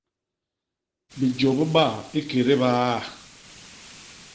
Bijô bibaa ikédé biaa.